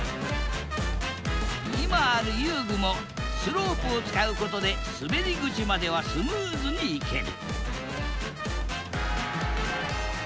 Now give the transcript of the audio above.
今ある遊具もスロープを使うことですべり口まではスムーズに行ける